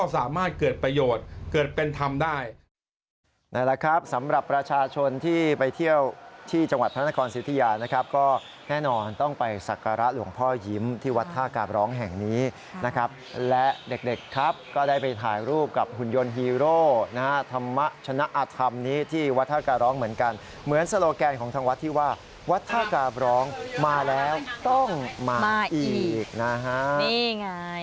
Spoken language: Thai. สำหรับประชาชนที่ไปเที่ยวที่จังหวัดพระนครสิทธิญานะครับก็แน่นอนต้องไปสักการะหลวงพ่อยิ้มที่วัดท่ากาบร้องแห่งนี้นะครับและเด็กครับก็ได้ไปถ่ายรูปกับหุ่นยนต์ฮีโร่นะธรรมชนะอัตธรรมนี้ที่วัดท่ากาบร้องเหมือนกันเหมือนสโลแกนของทางวัดที่ว่าวัดท่ากาบร้องมาแล้วต้องมาอีกนะ